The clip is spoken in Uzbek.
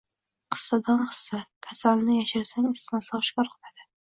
Qissadan hissa: Kasalni yashirsang, isitmasi oshkor qiladi